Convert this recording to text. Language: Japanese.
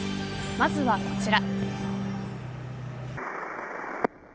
まずはこちら。